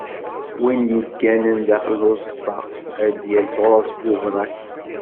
Win i yegganen daxel n uzeṭṭa, ad d-yas ɣur-s buberrak.